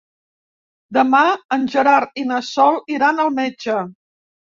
Demà en Gerard i na Sol iran al metge.